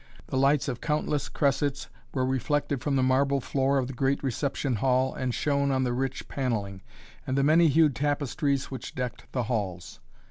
The lights of countless cressets were reflected from the marble floor of the great reception hall and shone on the rich panelling, and the many hued tapestries which decked the walls.